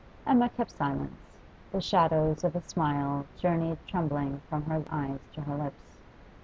Emma kept silence; the shadows of a smile journeyed trembling from her eyes to her lips.